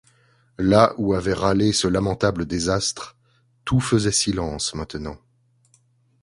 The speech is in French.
Là où avait râlé ce lamentable désastre, tout faisait silence maintenant.